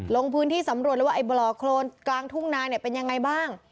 ลงพื้นที่สำรวจเลยว่าไอบ่อโครนกลางทุ่งนาเนี่ยเป็นยังไงบ้าง